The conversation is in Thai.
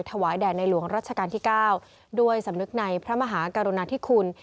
แด่ในหลวงรัชกาลที่๙ด้วยสำนึกในพระมหากรุณาธิคุณ